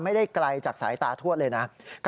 ไม่ได้ไกลจากสายตาทวดเลยนะ